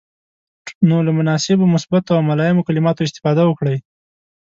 نو له مناسبو، مثبتو او ملایمو کلماتو استفاده وکړئ.